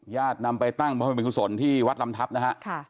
ญาตินำไปตั้งมามีผลส่วนที่วัดลำทับนะฮะ